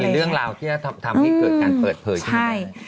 มันมีเรื่องราวที่จะทำให้เกิดการเปิดเผยขึ้นมาเลย